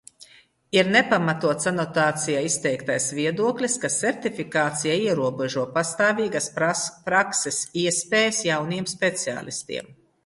Ir nepamatots anotācijā izteiktais viedoklis, ka sertifikācija ierobežo pastāvīgās prakses iespējas jauniem speciālistiem.